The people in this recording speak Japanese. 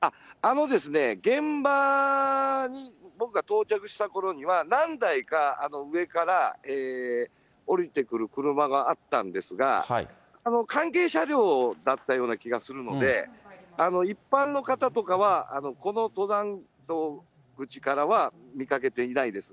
現場に僕が到着したころには、何台か上から下りてくる車があったんですが、関係車両だったような気がするので、一般の方とかは、この登山道口からは見かけていないです。